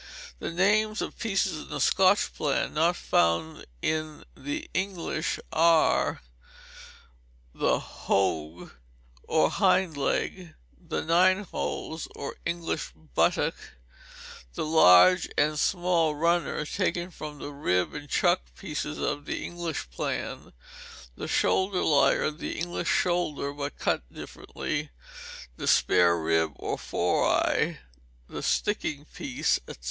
The names of pieces in the Scotch plan, not found in the English, are: the hough, or hind leg; the nineholes, or English buttock; the large and small runner, taken from the rib and chuck pieces of the English plan; the shoulder lyer, the English shoulder, but cut differently; the spare rib or fore sye, the sticking piece, &c.